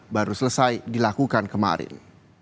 baru selesai dilakukan kemarin